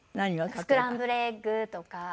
スクランブルエッグとか。